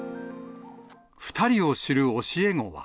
２人を知る教え子は。